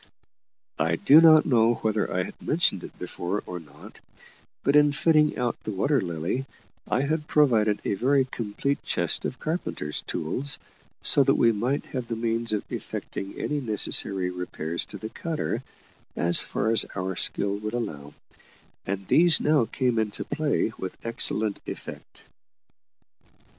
I do not know whether I have mentioned it before or not, but, in fitting out the Water Lily, I had provided a very complete chest of carpenter's tools, so that we might have the means of effecting any necessary repairs to the cutter, as far as our skill would allow; and these now came into play with excellent effect.